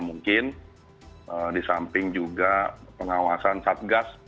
mungkin di samping juga pengawasan satgas